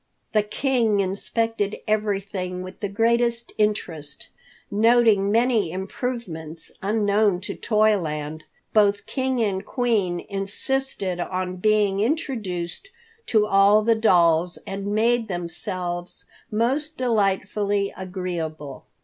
The King inspected everything with the greatest interest, noting many improvements unknown in Toyland, Both King and Queen insisted on being introduced to all the dolls, and made themselves most delightfully agreeable.